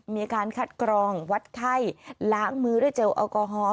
มีการคัดกรองวัดไข้ล้างมือด้วยเจลแอลกอฮอล์